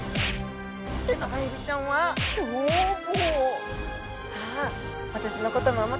テナガエビちゃんは凶暴。